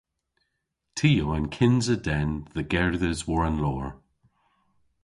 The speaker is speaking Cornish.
Ty o an kynsa den dhe gerdhes war an loor.